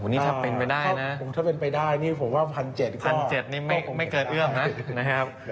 นี่ถ้าเป็นไปได้นะถ้าเป็นไปได้นี่ผมว่า๑๗๐๐๗๐๐นี่ไม่เกินเอื้อมนะครับ